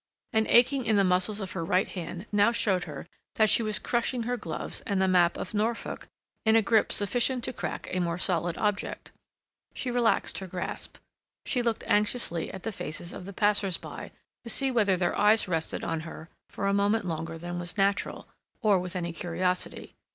An aching in the muscles of her right hand now showed her that she was crushing her gloves and the map of Norfolk in a grip sufficient to crack a more solid object. She relaxed her grasp; she looked anxiously at the faces of the passers by to see whether their eyes rested on her for a moment longer than was natural, or with any curiosity.